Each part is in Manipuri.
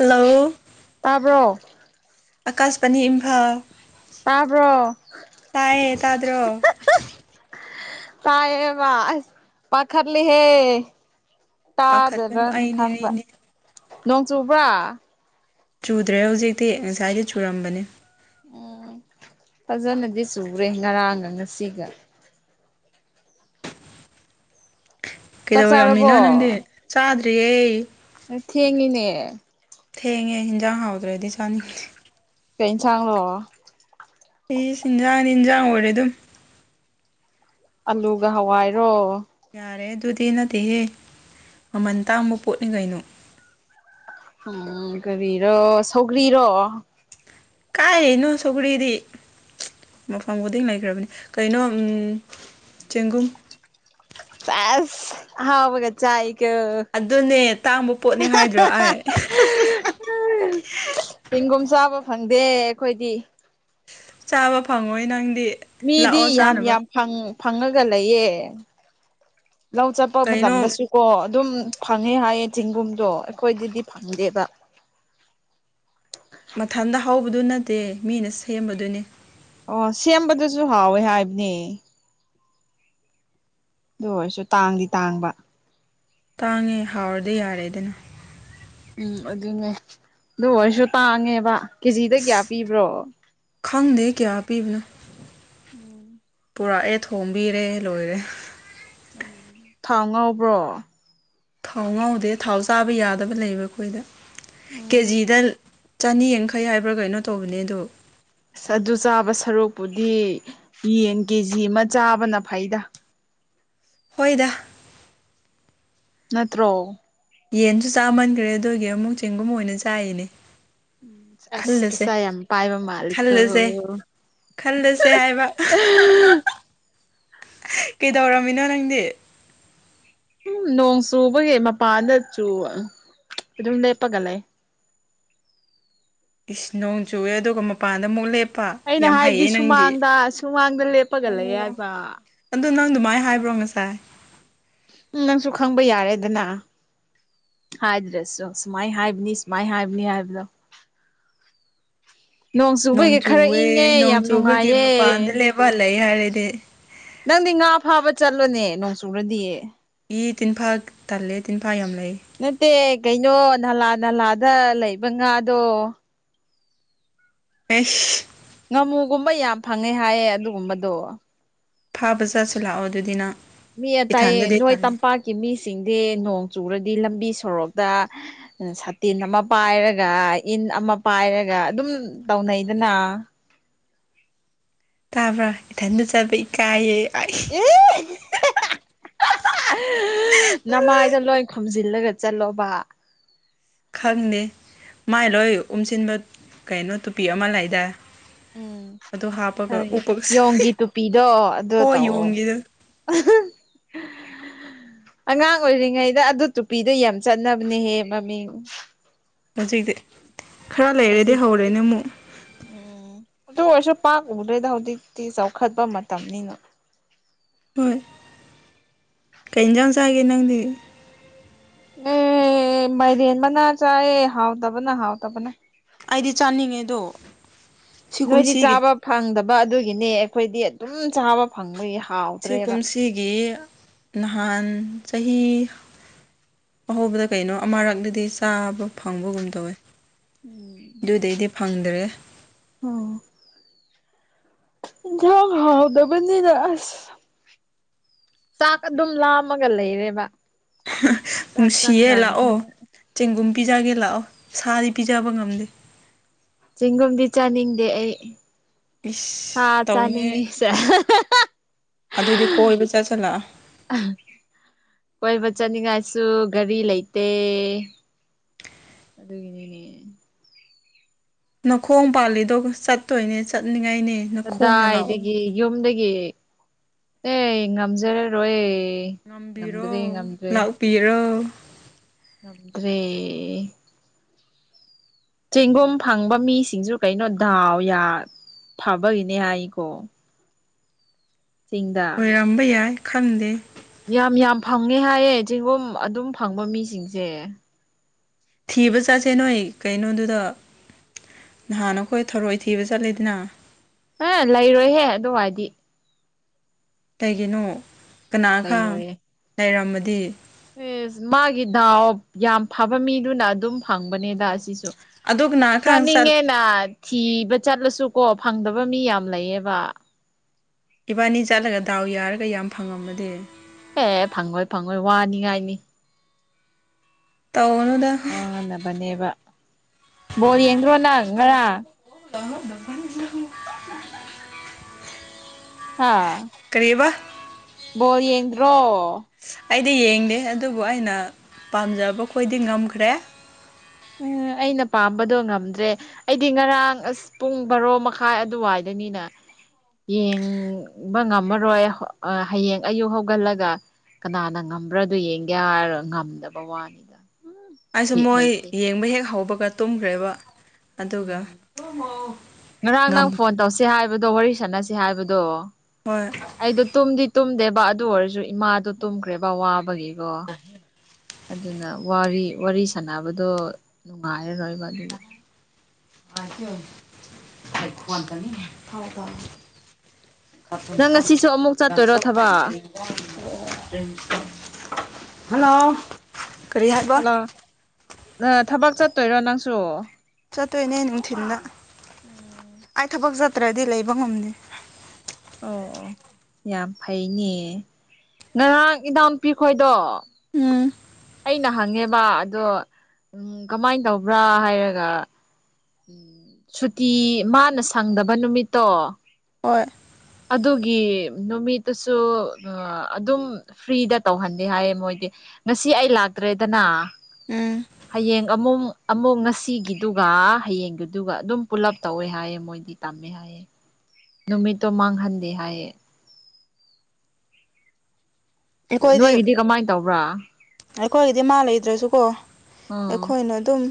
ꯍꯜꯂꯣ ꯇꯥꯕ꯭ꯔꯣ ꯑꯀꯥꯁꯄꯅꯤ ꯏꯝꯐꯥꯜ ꯇꯥꯕ꯭ꯔꯣ ꯇꯥꯏꯌꯦ ꯇꯥꯗ꯭ꯔꯣ ꯇꯥꯏꯌꯦꯕ ꯄꯥꯈꯠꯂꯤ ꯍꯦ ꯇꯥꯗꯕ꯭ꯔꯥ ꯄꯥꯈꯠꯀꯅꯨ ꯑꯩꯅꯦ ꯈꯟꯕ ꯑꯩꯅꯦ ꯅꯣꯡ ꯆꯨꯕ꯭ꯔꯥ ꯆꯨꯗ꯭ꯔꯦ ꯍꯧꯖꯤꯛꯇꯤ ꯉꯁꯥꯏꯗꯤ ꯆꯨꯔꯝꯕꯅꯤ ꯑꯣꯑꯣ ꯐꯖꯅꯗꯤ ꯆꯨꯔꯦ ꯉꯔꯥꯡꯒ ꯉꯁꯤꯒ ꯆꯥꯛ ꯀꯩꯗꯧꯔꯝꯃꯤꯅꯣ ꯆꯥꯔꯕꯣ ꯅꯪꯗꯤ ꯆꯥꯗ꯭ꯔꯤꯌꯦ ꯊꯦꯡꯉꯤꯅꯦ ꯊꯦꯡꯉꯦ ꯍꯦꯟꯖꯥꯡ ꯍꯥꯎꯇ꯭ꯔꯗꯤ ꯆꯥꯅꯤꯡꯗꯦ ꯀꯩꯩꯏꯟꯁꯥꯡꯂꯣ ꯏꯁ ꯏꯟꯖꯥꯡꯗꯤ ꯏꯟꯖꯥꯡ ꯑꯣꯏꯔꯦ ꯑꯗꯨꯝ ꯑꯂꯨꯒ ꯍꯋꯥꯏꯔꯣ ꯌꯥꯔꯦꯍꯦ ꯑꯗꯨꯗꯤ ꯅꯠꯇꯦꯍꯦ ꯃꯃꯜ ꯇꯥꯡꯕ ꯄꯣꯠꯅꯤ ꯀꯩꯅꯣ ꯎꯪꯎꯪ ꯀꯔꯤꯔꯣ ꯁꯧꯒ꯭ꯔꯤꯔꯣ ꯀꯥꯏ ꯅꯣ ꯁꯧꯒ꯭ꯔꯤꯗꯤ ꯃꯐꯝ ꯈꯨꯗꯤꯡ ꯂꯩꯈ꯭ꯔꯕꯅꯤ ꯀꯩꯅꯣ ꯑꯥꯝ ꯆꯦꯡꯒꯨꯝ ꯁꯦꯁ ꯑꯍꯥꯎꯒ ꯆꯥꯏꯌꯦ INAUDIBLE ꯑꯗꯨꯅꯦ ꯇꯥꯡꯕ ꯄꯣꯠꯅꯦ ꯍꯥꯏꯗ꯭ꯔꯣ ꯑꯩ ꯆꯦꯡꯒꯨꯝ ꯆꯥꯕ ꯐꯪꯗꯦ ꯑꯩꯈꯣꯏꯗꯤ ꯆꯥꯕ ꯐꯪꯉꯣꯏ ꯅꯪ ꯃꯤꯗꯤ ꯌꯥꯝ ꯌꯥꯝ ꯐꯪ ꯐꯪꯉꯒ ꯂꯩꯌꯦ ꯂꯧ ꯆꯠꯄ ꯀꯩꯅꯣ ꯃꯇꯝꯗꯁꯨ ꯀꯣ ꯑꯗꯨꯝ ꯐꯪꯉꯦ ꯍꯥꯏꯌꯦ ꯆꯦꯡꯒꯨꯝꯗꯣ ꯑꯩꯈꯣꯏꯗꯗꯤ ꯐꯪꯗꯦꯕ ꯃꯊꯟꯇ ꯍꯧꯕꯗꯨ ꯅꯠꯇꯦ ꯃꯤꯅ ꯁꯦꯝꯕꯗꯨꯅꯦ ꯑꯣ ꯁꯦꯝꯕꯗꯨꯖꯨ ꯍꯥꯎꯋꯦ ꯍꯥꯏꯕꯅꯦ ꯑꯗꯨ ꯑꯣꯏꯔꯁꯨ ꯇꯥꯡꯗꯤ- ꯇꯥꯡꯕ ꯇꯥꯡꯉꯦ ꯍꯥꯎꯔꯗꯤ ꯌꯥꯔꯦꯗꯅ ꯎꯝ ꯑꯗꯨꯅꯦ ꯑꯗꯨ ꯑꯣꯏꯔꯖꯨ ꯇꯥꯡꯉꯦꯕ ꯀꯦꯖꯤꯗ ꯀꯌꯥ ꯄꯤꯕ꯭ꯔꯣ ꯈꯪꯗꯦꯍꯦ ꯀꯌꯥ ꯄꯤꯕꯅꯣ ꯎꯝ ꯄꯨꯔꯛꯑꯦ ꯊꯣꯝꯕꯤꯔꯦ ꯂꯣꯏꯔꯦ ꯊꯥꯎ ꯉꯧꯕ꯭ꯔꯣ ꯊꯥꯎ ꯉꯧꯗꯦ ꯊꯥꯎ ꯆꯥꯕ ꯌꯥꯗꯕ ꯂꯩꯕ ꯑꯩꯈꯣꯏꯗ ꯎꯝ ꯀꯦꯖꯤꯗ ꯆꯅꯤ ꯌꯥꯡꯈꯩ ꯍꯥꯏꯕ꯭ꯔꯥ ꯀꯩꯅꯣ ꯇꯧꯕꯅꯦ ꯑꯗꯨ ꯑꯥꯁ ꯑꯗꯨ ꯆꯥꯕ ꯁꯔꯨꯛꯄꯨꯗꯤ ꯌꯦꯟ ꯀꯦꯖꯤ ꯑꯃ ꯆꯥꯕꯅ ꯐꯩꯗ ꯍꯣꯏꯗꯥ ꯅꯠꯇ꯭ꯔꯣ ꯌꯦꯟꯖꯨ ꯆꯥꯃꯟꯒ꯭ꯔꯦ ꯑꯗꯨꯒꯤ ꯑꯃꯨꯛ ꯆꯦꯡꯒꯨꯝ ꯑꯣꯏꯅ ꯆꯥꯏꯅꯦ ꯁꯦꯁ ꯄꯩꯁꯥ ꯌꯥꯝ ꯄꯥꯏꯕ ꯃꯥꯜꯂꯤꯀꯣ ꯈꯜꯂꯁꯦ ꯈꯜꯂꯁꯦ ꯍꯥꯏꯕ ꯀꯩꯗꯧꯔꯝꯃꯤꯅꯣ ꯅꯪꯗꯤ ꯎꯝ ꯅꯣꯡ ꯆꯨꯕꯒꯤ ꯃꯄꯥꯟꯗ ꯆꯨꯕ ꯑꯗꯨꯝ ꯂꯦꯞꯄꯒ ꯂꯩ ꯏꯁ ꯅꯣꯡ ꯆꯨꯑꯦ ꯑꯗꯨꯒ ꯃꯄꯥꯟꯗ ꯑꯃꯨꯛ ꯂꯦꯞ ꯑꯩꯅ ꯍꯥꯏꯕꯗꯤ ꯁꯨꯃꯥꯡꯗ ꯁꯨꯃꯥꯡꯗ ꯂꯦꯞꯄꯒ ꯂꯩ ꯍꯥꯏꯕ ꯑꯗꯣ ꯅꯪ ꯑꯗꯨꯃꯥꯏꯅ ꯍꯥꯏꯕ꯭ꯔꯣ ꯉꯁꯥꯏ ꯎꯝ ꯅꯪꯁꯨ ꯈꯪꯕ ꯌꯥꯔꯦꯗꯅ ꯍꯥꯏꯗ꯭ꯔꯁꯨ ꯁꯨꯃꯥꯏꯅ ꯍꯥꯏꯕꯅꯤ ꯁꯨꯃꯥꯏꯅ ꯍꯥꯏꯕꯅꯤ ꯍꯥꯏꯕꯗꯣ ꯅꯣꯡ ꯆꯨꯕꯒꯤ ꯈꯔ ꯆꯨꯌꯦ ꯏꯪꯉꯦ ꯌꯥꯝ ꯅꯣꯡꯖꯨꯕꯒꯤ ꯅꯨꯡꯉꯥꯏꯌꯦ ꯃꯄꯥꯟꯗ ꯂꯦꯞꯄꯒ ꯂꯩ ꯌꯥꯔꯦꯅꯦ ꯅꯪꯗꯤ ꯉꯥ ꯐꯥꯕ ꯆꯠꯂꯣꯅꯦ ꯅꯣꯡꯆꯨꯔꯗꯤ ꯏ ꯇꯤꯟꯐꯥ ꯇꯜꯂꯦ ꯇꯤꯟꯐꯥ ꯌꯥꯝ ꯂꯩ ꯅꯠꯇꯦ ꯀꯩꯅꯣ ꯅꯂꯥ ꯅꯂꯥꯗ ꯂꯩꯕ ꯉꯥꯗꯣ ꯑꯦꯁ ꯉꯥꯃꯨꯒꯨꯝꯕ ꯌꯥꯝ ꯐꯪꯉꯦ ꯍꯥꯏꯌꯦ ꯑꯗꯨꯒꯨꯝꯕꯗꯣ ꯐꯥꯕ ꯆꯠꯁꯦ ꯂꯥꯛꯑꯣ ꯑꯗꯨꯗꯤ ꯅꯪ ꯃꯤ ꯇꯥꯏꯌꯦ ꯏꯊꯟꯗꯗꯤ ꯅꯣꯏ ꯇꯜꯂꯤ ꯇꯝꯄꯥꯛꯀꯤ ꯃꯤ ꯁꯤꯡꯗꯤ ꯅꯣꯡ ꯆꯨꯔꯗꯤ ꯂꯝꯕꯤ ꯁꯣꯔꯣꯛꯇ ꯁꯥꯇꯤꯟ ꯑꯃ ꯄꯥꯏꯔꯒ ꯏꯟ ꯑꯃ ꯄꯥꯏꯔꯒ ꯑꯗꯨꯝ ꯇꯧꯅꯩꯗꯅ ꯇꯥꯕ꯭ꯔꯥ ꯏꯊꯟꯗ ꯆꯠꯕ ꯏꯀꯥꯏꯌꯦ ꯑꯩ ꯑꯦ ꯅꯃꯥꯏꯗ ꯂꯣꯏ ꯈꯨꯝꯁꯤ ꯏꯜꯂꯒ ꯆꯠꯂꯣꯕ ꯈꯪꯗꯦ ꯃꯥꯏ ꯂꯣꯏ ꯎꯝꯁꯤꯟꯕ ꯀꯩꯅꯣ ꯇꯨꯄꯤ ꯑꯃ ꯂꯩꯗꯥꯏ ꯎꯝ ꯑꯗꯨ ꯍꯥꯞꯄꯒ ꯍꯣꯏ ꯎꯞꯄꯒ ꯌꯣꯡꯒꯤ ꯆꯠꯂꯦ ꯇꯨꯄꯤꯗꯣ ꯑꯗꯨ ꯇꯧꯑꯣ ꯑꯍꯥ ꯎꯝ [inaudible] ꯑꯉꯥꯡ ꯑꯣꯏꯔꯤꯉꯩꯗ ꯑꯗꯨ ꯇꯨꯄꯤꯗꯣ ꯌꯥꯝ ꯆꯠꯅꯕꯅꯦꯍꯦ ꯃꯃꯤꯡ ꯍꯧꯖꯤꯛꯇꯤ ꯈꯔ ꯂꯩꯔꯗꯤ ꯍꯧꯖꯤꯛ ꯍꯧꯔꯅꯤ ꯑꯃꯨꯛ ꯎꯝ ꯑꯗꯨ ꯑꯣꯏꯔꯁꯨ ꯄꯥꯛ ꯎꯗ꯭ꯔꯦꯗ ꯍꯧꯖꯤꯛꯇꯤ ꯆꯥꯎꯈꯠꯄ ꯃꯇꯝꯅꯤꯅ ꯍꯣꯏ ꯀꯩ ꯌꯦꯟꯖꯥꯡ ꯆꯥꯒꯦ ꯅꯪꯗꯤ ꯑꯦ ꯃꯥꯏꯔꯦꯟ ꯃꯅꯥ ꯆꯌꯦ ꯍꯥꯎꯇꯕꯅ ꯍꯥꯎꯇꯕꯅ ꯑꯩꯗꯤ ꯆꯥꯅꯤꯡꯉꯦꯗꯣ ꯁꯤ ꯅꯣꯏꯗꯤ ꯀꯨꯝꯁꯤꯒꯤ ꯆꯥꯕ ꯐꯪꯗꯕ ꯑꯗꯨꯒꯤꯅꯦ ꯑꯩꯈꯣꯏꯗꯤ ꯑꯗꯨꯝ ꯆꯥꯕ ꯐꯪꯕ ꯁꯤ ꯀꯨꯝꯁꯤꯒꯤ ꯅꯍꯥꯟ ꯆꯍꯤ ꯑꯍꯧꯕꯗꯣ ꯀꯩꯅꯣ ꯑꯃꯥꯔꯛꯗꯤ ꯆꯥꯕ ꯐꯪꯕꯒꯨꯝ ꯇꯧꯋꯦ ꯑꯗꯨꯗꯩꯗꯤ ꯐꯪꯗ꯭ꯔꯦ ꯑꯣ ꯍꯤꯟꯖꯥꯡ ꯍꯥꯎꯇꯕꯅꯤꯅ ꯑꯁ ꯆꯥꯛ ꯑꯗꯨꯝ ꯂꯥꯝꯃꯒ ꯂꯩꯔꯦꯕ ꯆꯥꯛ ꯅꯨꯡꯁꯤꯌꯦ ꯂꯥꯛꯑꯣ ꯆꯪꯗꯕꯅꯤꯅ ꯆꯦꯡꯒꯨꯝ ꯄꯤꯖꯒꯦ ꯂꯥꯛꯑꯣ ꯁꯥꯗꯤ ꯄꯤꯖꯕ ꯉꯝꯗꯦ ꯆꯤꯡꯒꯨꯝꯗꯤ ꯆꯥꯅꯤꯡꯗꯦ ꯑꯩ ꯁꯥ ꯏꯁ ꯇꯧꯅꯦ ꯆꯥꯅꯤꯡꯉꯤꯁꯦ ꯑꯗꯨꯗꯤ ꯀꯣꯏꯕ ꯆꯠꯁꯤꯜꯂꯛꯑꯣ ꯍꯥ ꯀꯣꯏ ꯆꯥꯅꯤꯡꯉꯥꯏ ꯁꯨ ꯒꯥꯔꯤ ꯂꯩꯇꯦ ꯑꯗꯨꯒꯤꯅꯤꯅꯦ ꯅꯈꯣꯡ ꯄꯥꯜꯂꯤꯗꯣ ꯆꯠꯇꯣꯏꯅꯦ ꯆꯠꯅꯤꯡ ꯀꯗꯥꯏꯗꯒꯤ ꯌꯨꯝꯗꯒꯤ ꯑꯦ ꯉꯝꯖꯔꯔꯣꯏ ꯉꯝꯕꯤꯔꯣ ꯉꯝꯗ꯭ꯔꯦ ꯉꯝꯗ꯭ꯔꯦ ꯂꯥꯛꯄꯤꯔꯣ ꯉꯝꯒ꯭ꯔꯦ ꯆꯦꯡꯒꯨꯝ ꯐꯪꯕ ꯃꯤꯁꯤꯡꯖꯨ ꯀꯩꯅꯣ ꯗꯥꯎ ꯌꯥ ꯐꯥꯕ ꯒꯤꯅꯦ ꯍꯥꯏꯀꯣ ꯆꯤꯡꯗ ꯑꯣꯏꯔꯝꯕ ꯌꯥꯏ ꯈꯟꯗꯦ ꯌꯥꯝ ꯌꯥꯝ ꯐꯪꯉꯦ ꯍꯥꯏꯌꯦ ꯆꯦꯡꯒꯨꯝ ꯑꯗꯨꯝ ꯐꯪꯕ ꯃꯤꯁꯤꯡꯁꯦ ꯊꯤꯕ ꯆꯠꯁꯦ ꯅꯣꯏ ꯀꯩꯅꯣꯗꯨꯗ ꯅꯍꯥꯟ ꯑꯩꯈꯣꯏ ꯊꯧꯔꯣꯏ ꯊꯤꯕ ꯆꯠꯂꯤꯗꯅ ꯑꯥ ꯂꯩꯔꯣꯏꯍꯦ ꯑꯗꯨꯋꯥꯏꯗꯤ ꯀꯩꯒꯤꯅꯣ ꯀꯅꯥ ꯈꯥꯡ ꯂꯩꯔꯣꯏꯌꯦ ꯂꯩꯔꯝꯃꯗꯤ ꯑꯦꯁ ꯃꯥꯒꯤ ꯗꯥꯎ ꯌꯥꯝ ꯐꯥꯕ ꯃꯤꯗꯨꯅ ꯑꯗꯨꯝ ꯐꯪꯕꯅꯦꯗ ꯑꯁꯤꯁꯨ ꯑꯗꯨ ꯀꯅꯥ ꯈꯪ ꯆꯠ ꯆꯥꯅꯤꯡꯉꯦꯅ ꯊꯤꯕ ꯆꯠꯂꯁꯨ ꯀꯣ ꯐꯪꯗꯕ ꯃꯤ ꯌꯥꯝ ꯂꯩꯌꯦꯕ ꯏꯕꯥꯏꯅꯤ ꯆꯠꯂꯒ ꯗꯥꯎ ꯌꯥꯔꯒ ꯌꯥꯝ ꯐꯪꯉꯝꯃꯗꯤ ꯑꯦ ꯐꯪꯉꯣꯏ ꯐꯪꯉꯣꯏ ꯋꯥꯅꯤꯉꯥꯏꯅꯤ ꯇꯧꯒꯅꯨꯗ ꯋꯥꯅꯕꯅꯦꯕ ꯕꯣꯜ ꯌꯦꯡꯗ꯭ꯔꯣ ꯅꯪ ꯉꯔꯥꯡ ꯍꯥ [unintelligible] ꯀꯔꯤꯕꯥ ꯕꯣꯜ ꯌꯦꯡꯗ꯭ꯔꯣ ꯑꯩꯗꯤ ꯌꯦꯡꯗꯦ ꯑꯗꯨꯕꯨ ꯑꯩꯅ ꯄꯥꯝꯖꯕ ꯈꯣꯏꯗꯤ ꯉꯝꯈ꯭ꯔꯦ ꯑꯥ ꯑꯩꯅ ꯄꯥꯝꯕꯗꯣ ꯉꯝꯗ꯭ꯔꯦ ꯑꯩꯗꯤ ꯉꯔꯥꯡ ꯑꯁ ꯄꯨꯡ ꯕꯥꯔꯣ ꯃꯈꯥꯏ ꯑꯗꯨꯋꯥꯏꯗ ꯃꯤꯅ ꯌꯦꯡꯕ ꯉꯝꯃꯔꯣꯏ ꯑꯥ ꯍꯌꯦꯡ ꯑꯌꯨꯛ ꯍꯧꯒꯠꯂꯒ ꯀꯅꯥꯅ ꯉꯝꯕ꯭ꯔꯥꯗꯣ ꯌꯦꯡꯒꯦ ꯍꯥꯏꯔꯒ ꯉꯝꯗꯕ ꯋꯥꯅꯤꯗ ꯑꯩꯁꯨ ꯕꯤꯠ ꯃꯣꯏ ꯂꯩꯇꯦ ꯌꯦꯡꯕ ꯍꯦꯛ ꯍꯧꯕꯒ ꯇꯨꯝꯈ꯭ꯔꯦꯕ ꯑꯗꯨꯒ ꯎꯝ ꯉꯔꯥꯡ ꯉꯝ ꯅꯪ ꯐꯣꯟ ꯇꯧꯁꯤ ꯍꯥꯏ ꯕꯗꯣ ꯋꯥꯔꯤ ꯁꯥꯟꯅꯁꯤ ꯍꯥꯏꯕꯗꯣ ꯍꯣꯏ ꯑꯩꯗꯣ ꯇꯨꯝꯗꯤ ꯇꯨꯝꯗꯦꯕ ꯑꯗꯨ ꯑꯣꯏꯔꯖꯨ ꯏꯃꯥꯗꯣ ꯇꯨꯝꯈ꯭ꯔꯦꯕ ꯋꯥꯕꯒꯤꯀꯣ ꯑꯗꯨꯅ ꯋꯥꯔꯤ ꯋꯥꯔꯤ ꯁꯅꯕꯗꯣ ꯅꯨꯡꯉꯥꯏꯔꯔꯣꯏꯕ ꯑꯗꯨꯒꯤ [unintelligible] ꯅꯪ ꯉꯁꯤꯁꯨ ꯑꯃꯨꯛ ꯆꯠꯇꯣꯏꯔꯣ ꯊꯕꯛ [unintelligible] ꯍꯜꯂꯣ ꯍꯜꯂꯣ ꯅꯪ ꯊꯕꯛ ꯆꯠꯇꯣꯏꯔꯣ ꯅꯪꯁꯨ ꯆꯠꯇꯣꯏꯅꯦ ꯅꯨꯡꯊꯤꯟꯗ ꯎꯝ ꯑꯩ ꯊꯕꯛ ꯆꯠ ꯆꯠꯇ꯭ꯔꯗꯤ ꯂꯩꯕ ꯉꯝꯗꯦ ꯑꯣ ꯑꯣ ꯌꯥꯝ ꯐꯩꯅꯦ ꯅꯪ ꯉꯔꯥꯡ ꯏꯟꯅꯥꯎ ꯅꯨꯨꯄꯤ ꯈꯣꯏꯗꯣ ꯎꯝ ꯑꯩꯅ ꯍꯪꯉꯦꯕ ꯑꯗꯣ ꯎꯝ ꯀꯃꯥꯏꯅ ꯇꯧꯕ꯭ꯔꯥ ꯍꯥꯏꯔꯒ ꯎꯝ ꯁꯨꯇꯤ ꯃꯥꯅ ꯁꯪꯗꯕ ꯅꯨꯃꯤꯠꯇꯣ ꯍꯣꯏ ꯑꯗꯨꯒꯤ ꯅꯨꯃꯤꯠꯇꯨꯁꯨ ꯑꯥ ꯑꯗꯨꯝ ꯐ꯭ꯔꯤꯗ ꯇꯧꯍꯟꯗꯦ ꯍꯥꯏꯌꯦ ꯃꯣꯏꯗꯤ ꯉꯁꯤ ꯑꯩ ꯂꯥꯛꯇ꯭ꯔꯦꯗꯅ ꯎꯝ ꯍꯌꯦꯡ ꯑꯃꯨꯛ ꯑꯃꯨꯛ ꯉꯁꯤꯒꯤꯗꯨꯒ ꯍꯌꯦꯡꯒꯤꯗꯨꯒ ꯑꯗꯨꯝ ꯄꯨꯜꯂꯞ ꯇꯧꯋꯦ ꯍꯥꯏꯌꯦ ꯃꯣꯏꯗꯤ ꯇꯝꯃꯦ ꯍꯥꯏꯌꯦ ꯅꯨꯃꯤꯠꯇꯣ ꯃꯥꯡꯍꯟꯗꯦ ꯍꯥꯏꯌꯦ ꯑꯩꯈꯣꯏꯗꯤ ꯅꯣꯏꯒꯤꯗꯤ ꯀꯃꯥꯏꯅ ꯇꯧꯕ꯭ꯔꯥ ꯑꯩꯈꯣꯏꯒꯤꯗꯤ ꯃꯥꯥ ꯂꯩꯗ꯭ꯔꯁꯨꯀꯣ ꯎꯝ ꯑꯩꯈꯣꯏꯅ ꯑꯗꯨꯝ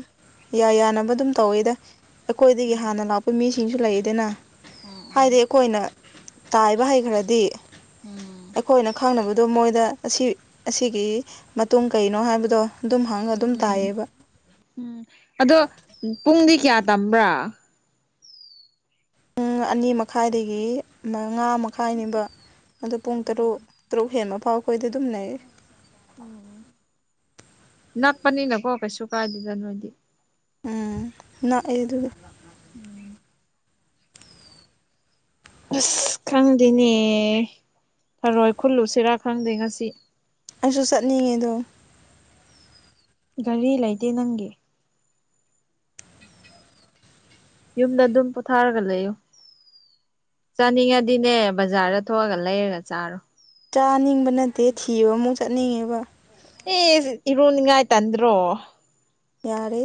ꯌꯥ ꯌꯥꯅꯕ ꯑꯗꯨꯝ ꯇꯧꯋꯦꯗ ꯑꯩꯈꯣꯏꯗꯒꯤ ꯍꯥꯟꯅ ꯂꯥꯛꯄ ꯃꯤꯁꯤꯡꯁꯨ ꯂꯩꯌꯦꯗꯅ ꯍꯥꯏꯗꯤ ꯎꯝ ꯑꯩꯈꯣꯏꯅ ꯇꯥꯏꯕ ꯍꯩ ꯈ꯭ꯔꯗꯤ ꯎꯝ ꯑꯩꯈꯣꯏꯅ ꯈꯥꯡꯅꯕꯗꯣ ꯃꯣꯏꯗ ꯑꯁꯤ ꯑꯁꯤꯒꯤ ꯃꯇꯨꯡ ꯀꯩꯅꯣ ꯍꯥꯏꯕꯗꯣ ꯑꯗꯨꯝ ꯍꯥꯡꯉ ꯑꯗꯨꯝ ꯎꯝ ꯎꯝ ꯇꯥꯏꯌꯦꯕ ꯎꯝ ꯑꯗꯣ ꯄꯨꯡꯗꯤ ꯀꯌꯥ ꯇꯝꯕ꯭ꯔꯥ ꯄꯨꯡ ꯑꯅꯤ ꯃꯈꯥꯏꯗꯒꯤ ꯃꯉꯥ ꯃꯈꯥꯏꯅꯤꯕ ꯑꯗꯣ ꯄꯨꯡ ꯇꯔꯨꯛ ꯇꯔꯨꯛ ꯍꯦꯟꯕ ꯐꯥꯎ ꯑꯩꯈꯣꯏꯗꯤ ꯑꯗꯨꯝ ꯂꯩꯔꯤ ꯅꯠ ꯄꯅꯤ ꯅꯀꯣ ꯀꯩ ꯁꯨ ꯀꯥꯏꯗꯧꯗ ꯅꯣꯏꯗꯤ ꯎꯝ ꯅꯛ ꯑꯦ ꯑꯗꯨ ꯑꯁ ꯈꯪꯗꯦꯅꯦ ꯊꯔꯣꯏ ꯈꯨꯜꯂꯨꯁꯤꯔꯥ ꯈꯪꯗꯦ ꯉꯁꯤ ꯑꯁꯨꯨ ꯆꯠꯅꯤꯡꯉꯦ ꯑꯗꯣ ꯒꯥꯔꯤ ꯂꯩꯇꯦ ꯅꯪꯒꯤ ꯌꯨꯝꯗ ꯑꯗꯨꯝ ꯄꯣꯊꯥꯔꯒ ꯂꯩꯌꯨ ꯆꯥꯅꯤꯡꯉꯗꯤꯅꯦ ꯕꯖꯥꯔꯗ ꯊꯣꯛꯑꯒ ꯂꯩꯔꯒ ꯆꯥꯔꯣ ꯆꯥꯅꯤꯡꯕ ꯅꯠꯇꯦ ꯊꯤꯕ ꯑꯃꯨꯛ ꯆꯠꯅꯤꯡꯉꯦꯕ ꯑꯦ ꯏꯔꯨꯅꯤꯡꯉꯥꯏ ꯇꯟꯗ꯭ꯔꯣ ꯌꯥꯔꯦ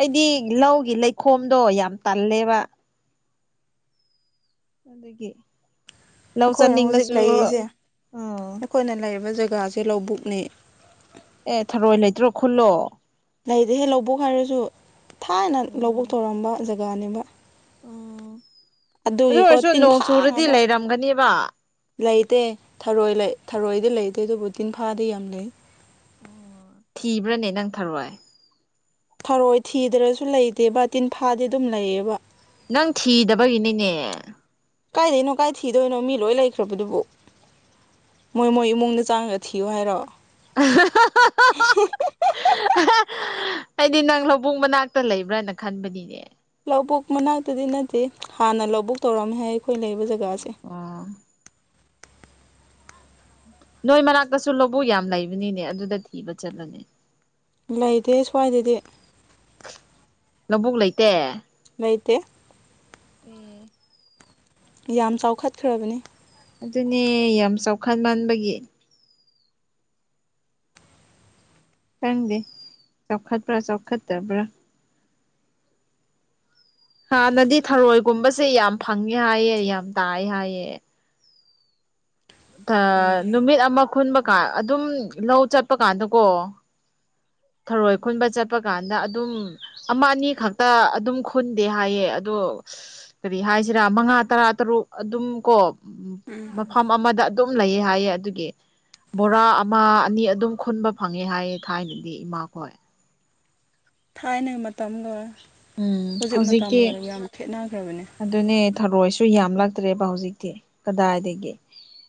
ꯑꯩꯗꯤ ꯂꯧꯒꯤ ꯂꯩꯈꯣꯝꯗꯣ ꯌꯥꯝ ꯇꯜꯂꯦꯕ ꯑꯗꯨꯒꯤ ꯂꯧ ꯑꯩꯈꯣꯏꯅ ꯍꯧꯖꯤꯛ ꯆꯠꯅꯤꯡꯂꯁꯨ ꯂꯩꯔꯤꯁꯦ ꯑꯥ ꯑꯩꯈꯣꯏꯅ ꯂꯩꯔꯤꯕ ꯖꯒꯥꯁꯦ ꯂꯧꯕꯨꯛꯅꯦ ꯑꯦ ꯊꯔꯣꯏ ꯂꯩꯇ꯭ꯔꯣ ꯈꯨꯜꯂꯣ ꯂꯩꯗꯤꯍꯦ ꯂꯧꯕꯨꯛ ꯍꯥꯏꯔꯁꯨ ꯊꯥꯏꯅ ꯂꯧꯕꯨꯛ ꯎꯝ ꯇꯧꯔꯝꯕ ꯖꯒꯥꯅꯦꯕ ꯎꯝ ꯑꯗꯨ ꯑꯗꯨꯒꯤꯀꯣ ꯑꯣꯏꯔꯁꯨ ꯅꯣꯡ ꯆꯨꯔꯗꯤ ꯇꯤꯟꯐꯥꯡꯉꯗ ꯂꯩꯔꯝꯒꯅꯦꯕ ꯂꯩꯇꯦ ꯊꯔꯣꯏ ꯊꯔꯣꯏꯗꯤ ꯂꯩꯇꯦ ꯑꯗꯨꯕꯨ ꯇꯤꯟꯐꯥꯗꯤ ꯌꯥꯝ ꯂꯩ ꯑꯣ ꯊꯤꯕ꯭ꯔꯅꯦ ꯅꯪ ꯊꯔꯣꯏ ꯊꯔꯣꯏ ꯊꯤꯗ꯭ꯔꯁꯨ ꯂꯩꯇꯦꯕ ꯇꯤꯟꯐꯥꯗꯤ ꯑꯗꯨꯝ ꯂꯩꯌꯦꯕ ꯅꯪ ꯊꯤꯗꯕꯒꯤꯅꯤꯅꯦ ꯀꯥꯏꯗꯩꯅꯣ ꯀꯥꯏ ꯊꯤꯗꯣꯏꯅꯣ ꯃꯤ ꯂꯣꯏ ꯂꯩꯈ꯭ꯔꯕꯗꯨꯕꯨ ꯃꯣꯏ ꯃꯣꯏ ꯏꯃꯨꯡꯗ ꯆꯥꯡꯉꯒ ꯊꯤꯌꯨ ꯍꯥꯏꯔꯣ [unintelligible] ꯑꯩꯗꯤ ꯅꯪ ꯂꯧꯕꯨꯛ ꯃꯅꯥꯛꯇ ꯂꯩꯕ꯭ꯔꯅ ꯈꯟꯕꯅꯤꯅꯦ ꯂꯧꯕꯨꯛ ꯃꯅꯥꯛꯇꯗꯤ ꯅꯠꯇꯦ ꯍꯥꯟꯅ ꯂꯧꯕꯨꯛ ꯇꯧꯔꯝꯃꯦ ꯍꯥꯏ ꯑꯩꯈꯣꯏ ꯂꯩꯔꯤꯕ ꯖꯒꯥꯁꯦ ꯑꯣ ꯅꯣꯏ ꯃꯅꯥꯛꯇꯁꯨ ꯂꯧꯕꯨꯛ ꯌꯥꯝ ꯂꯩꯕꯅꯤꯅꯦ ꯑꯗꯨꯗ ꯊꯤꯕ ꯆꯠꯂꯣꯅꯦ ꯂꯩꯇꯦ ꯁ꯭ꯋꯥꯏꯗꯗꯤ ꯂꯧꯕꯕꯨꯛ ꯂꯩꯇꯦ ꯌꯩꯇꯩ ꯑꯦ ꯌꯥꯝ ꯆꯥꯎꯈꯠꯈ꯭ꯔꯕꯅꯤ ꯗꯨꯅꯦ ꯌꯥꯝ ꯆꯥꯎꯈꯠ ꯃꯟꯕꯒꯤ ꯈꯪꯗꯦ ꯆꯥꯎꯈꯠꯄ꯭ꯔ ꯆꯥꯎꯈꯠꯇꯕ꯭ꯔ [inaudible] ꯍꯥꯅꯗꯤ ꯊꯔꯣꯏꯒꯨꯝꯕꯁꯦ ꯌꯥꯝ ꯐꯪꯉꯦ ꯍꯥꯏꯌꯦ ꯌꯥꯝ ꯇꯥꯏ ꯍꯥꯏꯌꯦ ꯐꯪꯗꯦ ꯅꯨꯃꯤꯠ ꯑꯃ ꯈꯨꯨꯟꯕꯀꯥꯟ ꯑꯗꯨꯝ ꯂꯧ ꯆꯠꯄ ꯀꯥꯟꯗꯀꯣ ꯊꯔꯣꯏ ꯈꯨꯟꯕ ꯆꯠꯄ ꯀꯥꯟꯗ ꯑꯗꯨꯝ ꯑꯃ ꯑꯅꯤ ꯈꯛꯇ ꯑꯗꯨꯝ ꯈꯨꯟꯗꯦ ꯍꯥꯏꯌꯦ ꯑꯗꯣ ꯀꯔꯤ ꯍꯥꯏꯁꯤꯔ ꯃꯉꯥ ꯇꯔꯥ ꯇꯔꯨꯛ ꯑꯗꯨꯝ ꯀꯣ ꯃꯐꯝ ꯑꯃꯗ ꯑꯗꯨꯝ ꯑꯗꯨꯝ ꯂꯩꯌꯦ ꯍꯥꯏꯌꯦ ꯑꯗꯨꯒꯤ ꯕꯣꯔ ꯑꯃ ꯑꯅꯤ ꯑꯗꯨꯝ ꯈꯨꯟꯕ ꯐꯪꯉꯦ ꯍꯥꯏꯌꯦ ꯊꯥꯏꯅ ꯗꯤ ꯏꯃꯥꯈꯣꯏ ꯊꯥꯏꯅꯒꯤ ꯃꯇꯝꯒ ꯎꯝ ꯍꯧꯖꯤꯛ ꯍꯧꯖꯤꯛꯇꯤ ꯃꯇꯝꯒ ꯌꯥꯝ ꯈꯦꯠꯅꯈ꯭ꯔꯕꯅꯦ ꯑꯗꯨꯅꯦ ꯊꯔꯣꯏꯁꯨ ꯌꯥꯝ ꯂꯛꯇ꯭ꯔꯦꯕ ꯍꯧꯖꯤꯛꯇꯤ ꯀꯗꯥꯏꯗꯒꯤ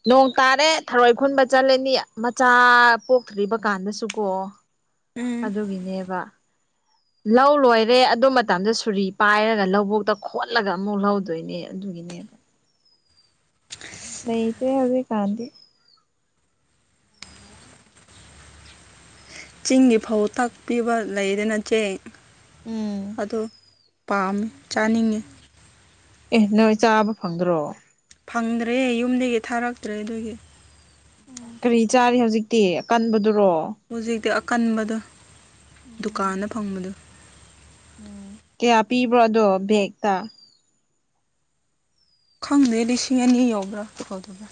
ꯅꯣꯡ ꯇꯥꯔꯦ ꯊꯔꯣꯏ ꯈꯨꯟꯕ ꯆꯠꯂꯅꯤ ꯃꯆꯥ ꯄꯣꯛꯇ꯭ꯔꯤꯕ ꯀꯥꯟꯗꯁꯨꯀꯣ ꯎꯝ ꯑꯗꯨꯒꯤꯅꯦꯕ ꯂꯧ ꯂꯣꯏꯔꯦ ꯑꯗꯨ ꯃꯇꯝꯗ ꯁꯨꯔꯤ ꯄꯥꯏꯔꯒ ꯂꯧꯕꯨꯛꯇ ꯈꯣꯠꯂꯒ ꯑꯃꯨꯛ ꯂꯧꯗꯣꯏꯅꯦ ꯑꯗꯨ ꯒꯤꯅꯦꯕ ꯂꯩꯇꯦ ꯍꯧꯖꯤꯛꯀꯟꯗꯤ ꯆꯤꯡꯒꯤ ꯐꯧ ꯇꯥꯛꯄꯤꯕ ꯂꯩꯗꯅ ꯆꯦꯡ ꯎꯝ ꯑꯗꯨ ꯄꯥꯝꯃꯤ ꯆꯥꯅꯤꯡꯉꯦ ꯑꯦ ꯅꯣꯏ ꯆꯥꯕ ꯐꯪꯗ꯭ꯔꯣ ꯐꯪꯗ꯭ꯔꯦ ꯌꯨꯝꯗꯒꯤ ꯊꯥꯔꯛꯇ꯭ꯔꯦ ꯑꯗꯨꯒꯤ ꯎꯝ ꯀꯔꯤ ꯆꯥꯔꯤ ꯍꯧꯖꯤꯛꯇꯤ ꯑꯀꯟꯕꯗꯨ ꯍꯨꯖꯤꯛꯇꯤ ꯑꯀꯟꯕꯗꯣ ꯎꯝ ꯗꯨꯀꯥꯟꯗ ꯐꯪꯕꯗꯣ ꯎꯝ ꯀꯌꯥ ꯄꯤꯕ꯭ꯔꯣ ꯑꯗꯣ ꯕꯦꯛꯇ ꯈꯪꯗꯦ ꯂꯤꯁꯤꯡ ꯑꯅꯤ ꯌꯧꯕ꯭ꯔ ꯌꯧꯗꯕ꯭ꯔ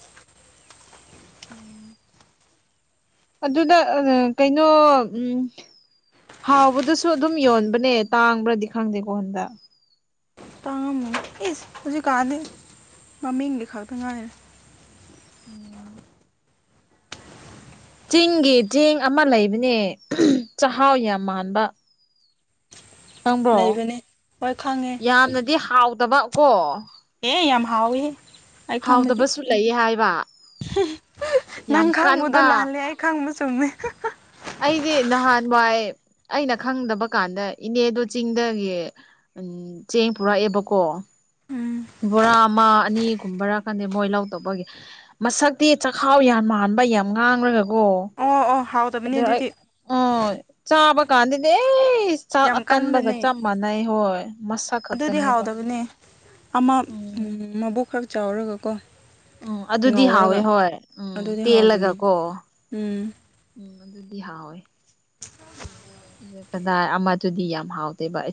ꯎꯝ ꯑꯗꯨꯗ ꯑꯥ ꯀꯩꯅꯣ ꯎꯝ ꯍꯥꯎꯕꯗꯁꯨ ꯑꯗꯨꯝ ꯌꯣꯟꯕꯅꯦ ꯇꯥꯡꯕ꯭ꯔꯗꯤ ꯈꯪꯗꯦꯀꯣ ꯍꯟꯗꯛ ꯇꯥꯡꯉꯝꯃꯅꯤ ꯏꯁ ꯍꯨꯖꯤꯛ ꯀꯥꯟꯗꯤ ꯃꯃꯤꯡꯒꯤ ꯈꯛꯇ ꯉꯥꯏꯔꯦ ꯎꯝ ꯆꯤꯡꯒꯤ ꯆꯦꯡ ꯑꯃ ꯂꯩꯕꯅꯦ ꯑꯍꯝ ꯆꯍꯥꯎ ꯌꯥꯝ ꯃꯥꯟꯕ ꯈꯪꯕ꯭ꯔꯣ ꯂꯩꯕꯅꯦ ꯍꯣꯏ ꯈꯪꯉꯦ ꯌꯥꯝꯅꯗꯤ ꯍꯥꯎꯇꯕ ꯀꯣ ꯑꯦ ꯌꯥꯝ ꯍꯥꯎꯋꯤꯍꯦ ꯑꯩ ꯈꯪꯕꯗꯤ ꯍꯥꯎꯗꯕꯁꯨ ꯂꯩꯌꯦ ꯍꯥꯏꯕ ꯌꯥꯝ ꯅꯪ ꯈꯪꯕꯗꯣ ꯀꯟꯕ ꯂꯥꯜꯂꯦ ꯑꯩ ꯈꯪꯕ ꯆꯨꯝꯃꯦ ꯑꯩꯗꯤ ꯅꯍꯥꯟ ꯋꯥꯏ ꯑꯩꯅ ꯈꯪꯗꯕ ꯀꯥꯟꯗ ꯏꯅꯦꯗꯣ ꯆꯤꯡꯗꯒꯤ ꯎꯝ ꯆꯦꯡ ꯄꯨꯔꯛꯑꯦꯕꯀꯣ ꯎꯝ ꯕꯣꯔꯥ ꯑꯃ ꯑꯅꯤꯒꯨꯝꯕꯔ ꯈꯟꯗꯦ ꯃꯣꯏ ꯂꯧꯇꯧꯕꯒꯤ ꯃꯁꯛꯇꯤ ꯆꯈꯥꯎ ꯌꯥꯝ ꯃꯥꯟ ꯕ ꯌꯥꯝ ꯉꯥꯡꯔꯒꯀꯣ ꯑꯣ ꯑꯣ ꯍꯥꯎꯗꯕꯅꯦ ꯑꯗꯨ ꯑꯩ ꯑꯗꯨꯗꯤ ꯑꯣ ꯆꯥꯕ ꯀꯥꯟꯗꯗꯤ ꯑꯦ ꯏꯁ ꯆꯥꯛ ꯌꯥꯝ ꯑꯀꯟꯕꯒ ꯀꯟꯕꯅꯦ ꯆꯥꯞ ꯃꯥꯟꯅꯩ ꯍꯣꯏ ꯃꯁꯛ ꯑꯗꯨꯗꯤ ꯈꯛꯇꯅꯦꯕ ꯍꯥꯎꯗꯕꯅꯦ ꯑꯃ ꯎꯝ ꯃꯕꯨꯛ ꯈꯔ ꯆꯥꯎꯔꯒ ꯀꯣ ꯎꯝ ꯑꯗꯨꯗꯤ ꯍꯥꯎꯋꯦ ꯍꯣꯏ ꯎꯝ ꯑꯗꯨꯗꯤ ꯍꯥꯎꯕꯅꯤ ꯇꯦꯜꯂꯒꯀꯣ ꯎꯝ ꯎꯝ ꯗꯨꯗꯤ ꯍꯥꯎꯋꯦ [inaudible] ꯑꯗꯨ ꯀꯗꯥꯏ ꯑꯃꯗꯨꯗꯤ ꯌꯥꯝ ꯍꯥꯎꯗꯦꯕ ꯑꯩ